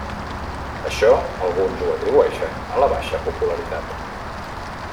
Això alguns ho atribueixen a la baixa popularitat.